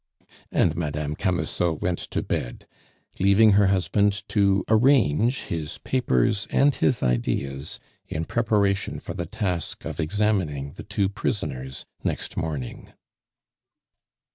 And Madame Camusot went to bed, leaving her husband to arrange his papers and his ideas in preparation for the task of examining the two prisoners next morning.